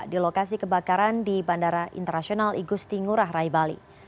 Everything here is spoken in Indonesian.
di lokasi kebakaran di bandara internasional igusti ngurah rai bali